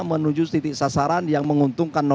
menuju titik sasaran yang menguntungkan